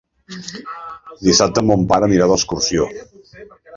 Dissabte mon pare anirà d'excursió.